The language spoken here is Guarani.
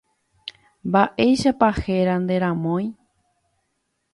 Mba'éichapa héra ne ramói.